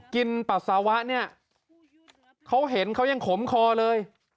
ปัสสาวะเนี่ยเขาเห็นเขายังขมคอเลย